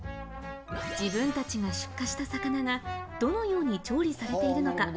自分たちが出荷した魚がどのように調理されているのか？